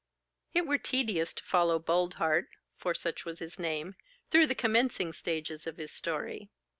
It were tedious to follow Boldheart (for such was his name) through the commencing stages of his story.